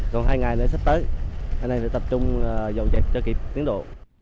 còn hai ngày nữa sắp tới anh em sẽ tập trung dọn dẹp cho kịp tiến độ